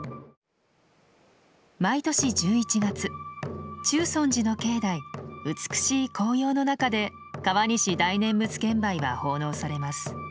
毎年１１月中尊寺の境内美しい紅葉の中で川西大念佛剣舞は奉納されます。